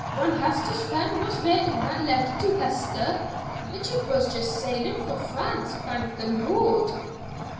Whan Hester's frien' was writin' that letter to Hester, Richard was just sailin' fra France! Thank the Lord!"